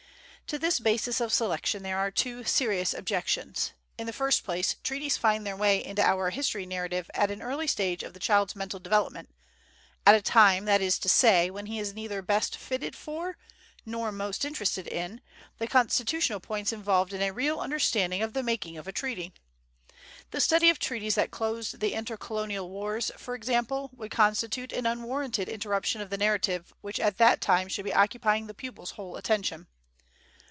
To this basis of selection there are two serious objections. In the first place, treaties find their way into our history narrative at an early stage of the child's mental development, at a time, that is to say, when he is neither best fitted for, nor most interested in, the constitutional points involved in a real understanding of the making of a treaty. The study of the treaties that closed the inter colonial wars, for example, would constitute an unwarranted interruption of the narrative which at that time should be occupying the pupil's whole attention.